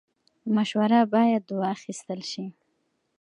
مشوره باید واخیستل شي